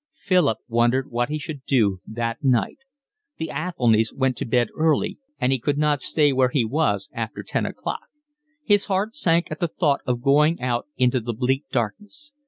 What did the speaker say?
Philip wondered what he should do that night. The Athelnys went to bed early, and he could not stay where he was after ten o'clock. His heart sank at the thought of going out into the bleak darkness.